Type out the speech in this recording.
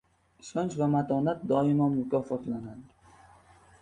Ishonch va matonat doimo mukofotlanadi.